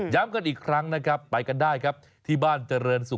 ย้ำกันอีกครั้งไปกันได้ที่บ้านเจริญสุข